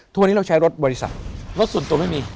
ทุกวันนี้เราใช้รถบริษัทรถส่วนตัวไม่มี